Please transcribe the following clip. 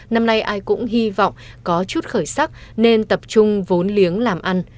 năm nay ai cũng hy vọng có chút khởi sắc nên tập trung vốn liếng làm ăn